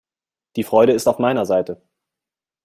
Die Freude ist auf meiner Seite!